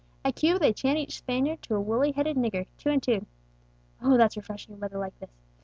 At Cuba they chain each Spaniard to a woolly headed nigger, two and two; (that's refreshing in weather like this!)